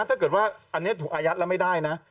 ถ้าเกิดว่าอันนี้ถูกอายัดแล้วไม่ได้นะ